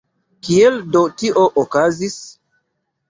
Kiel do tio okazis?